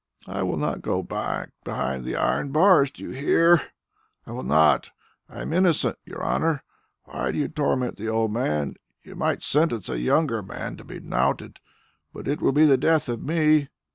"I will not go back behind the iron bars, do you hear? I will not. I am innocent, your honour. Why do you torment the old man? You might sentence a younger man to be knouted, but it will be the death of me.